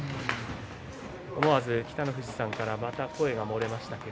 思わず、北の富士さんからまた声が漏れましたが。